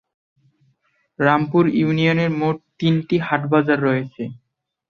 রামপুর ইউনিয়নের মোট তিনটি হাট বাজার রয়েছে।